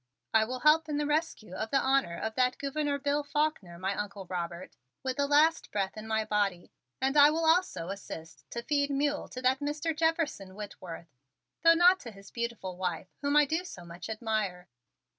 "I will help in the rescue of the honor of that Gouverneur Bill Faulkner, my Uncle Robert, with the last breath in my body, and I will also assist to feed mule to that Mr. Jefferson Whitworth, though not to his beautiful wife whom I do so much admire."